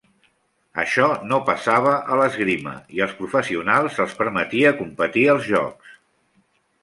Això no passava a l'esgrima i als professionals se'ls permetia competir als Jocs.